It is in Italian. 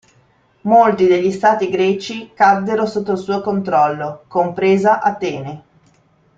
Molti degli stati greci caddero sotto il suo controllo, compresa Atene.